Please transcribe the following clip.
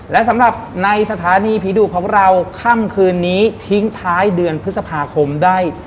และสำหรับในสถานีผีดุของเราค่ำคืนนี้ทิ้งท้ายเดือนพฤษภาคมได้